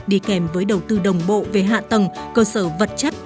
đi kèm với đầu tư đồng bộ về hạ tầng cơ sở vật chất